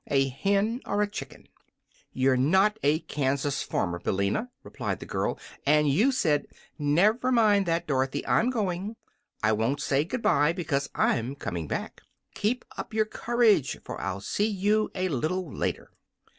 a hen or a chicken!" "You are not a Kansas farmer, Billina," replied the girl, "and you said " "Never mind that, Dorothy. I'm going. I won't say good bye, because I'm coming back. Keep up your courage, for I'll see you a little later."